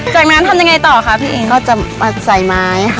จากนั้นทำยังไงต่อคะพี่อิงก็จะมาใส่ไม้ค่ะ